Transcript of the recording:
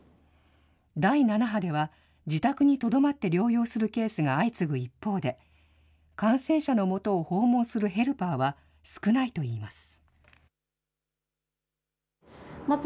第７波では、自宅にとどまって療養するケースが相次ぐ一方で、感染者のもとを訪問するヘルパーは少ないといいます。